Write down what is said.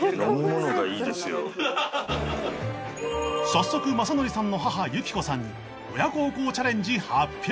早速雅紀さんの母幸子さんに親孝行チャレンジ発表